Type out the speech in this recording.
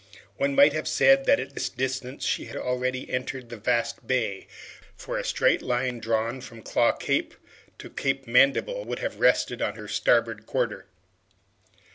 One might have said that at this distance she had already entered the vast bay, for a straight line drawn from Claw Cape to Cape Mandible would have rested on her starboard quarter.